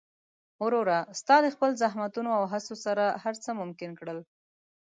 وروره! ستا د خپل زحمتونو او هڅو سره هر څه ممکن کړل.